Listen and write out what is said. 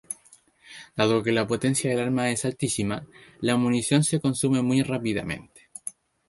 Dado que la potencia del arma es altísima, la munición se consume muy rápidamente.